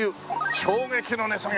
「衝撃の値下げ！」